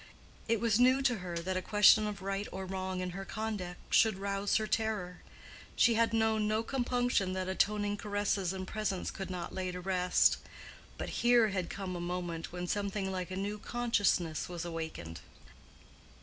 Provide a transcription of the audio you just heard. It was new to her that a question of right or wrong in her conduct should rouse her terror; she had known no compunction that atoning caresses and presents could not lay to rest. But here had come a moment when something like a new consciousness was awaked.